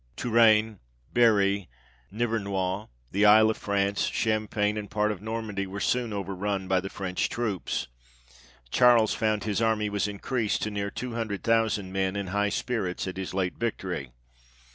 Touraine, Berry, Nivernois, the Isle of France, Cham pagne, and part of Normandy, were soon over run by the French troops; Charles found his army was in creased to near two hundred thousand men, in high spirits at his late victory.